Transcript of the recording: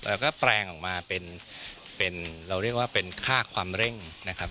แล้วก็แปลงออกมาเป็นเป็นเราเรียกว่าเป็นค่าความเร่งนะครับ